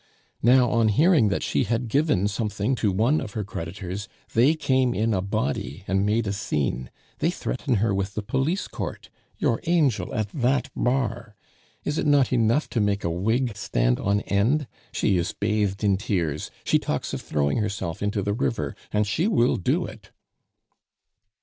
Now on hearing that she had given something to one of her creditors, they came in a body and made a scene. They threaten her with the police court your angel at that bar! Is it not enough to make a wig stand on end? She is bathed in tears; she talks of throwing herself into the river and she will do it."